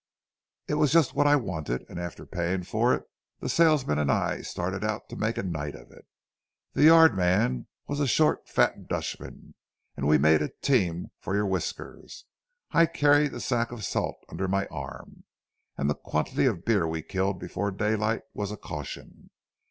"It was just what I wanted, and after paying for it the salesman and I started out to make a night of it. This yard man was a short, fat Dutchman, and we made a team for your whiskers. I carried the sack of salt under my arm, and the quantity of beer we killed before daylight was a caution.